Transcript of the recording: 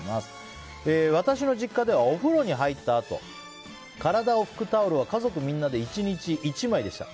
私の実家ではお風呂に入ったあと体を拭くタオルは１日１枚でした。